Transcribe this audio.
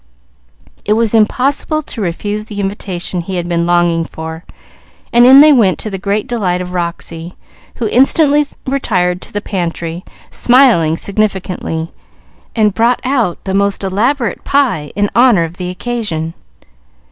It was impossible to refuse the invitation he had been longing for, and in they went to the great delight of Roxy, who instantly retired to the pantry, smiling significantly, and brought out the most elaborate pie in honor of the occasion.